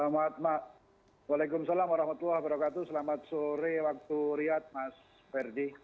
waalaikumsalam warahmatullahi wabarakatuh selamat sore waktu riyad mas ferdi